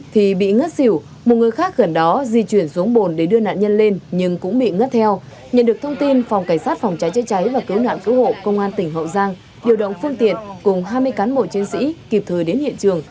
thì bệnh viện đa khoa cũng đã có